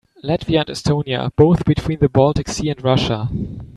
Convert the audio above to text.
Latvia and Estonia are both between the Baltic Sea and Russia.